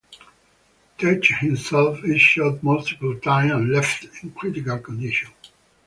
Tetch himself is shot multiple times and left in critical condition.